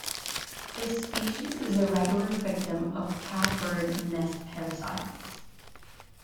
This species is a regular victim of cowbird nest parasites.